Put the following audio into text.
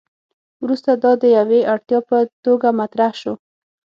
وروسته دا د یوې اړتیا په توګه مطرح شو.